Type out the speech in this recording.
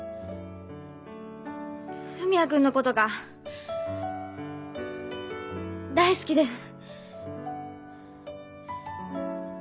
文也君のことが大好きです。